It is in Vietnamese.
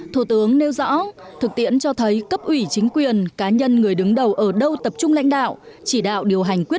thủ tướng nêu rõ thực tiễn cho thấy cấp ủy chính quyền cá nhân người đứng đầu ở đâu tập trung lãnh đạo chỉ đạo điều hành quyết định